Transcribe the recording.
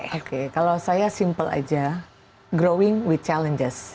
oke kalau saya simple aja growing with challenges